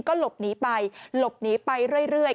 ก็หลบหนีไปหลบหนีไปเรื่อย